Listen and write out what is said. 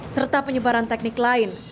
serta penyebaran teknik lain